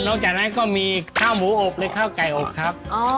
จากนั้นก็มีข้าวหมูอบหรือข้าวไก่อบครับ